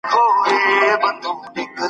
ديني مدرسې يې پياوړې کړې.